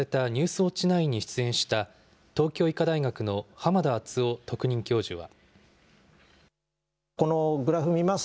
ウオッチ９に出演した、東京医科大学の濱田篤郎特任教授は。